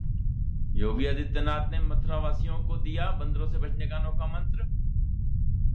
योगी आदित्यनाथ ने मथुरावासियों को दिया 'बंदरों से बचने' का अनोखा मंत्र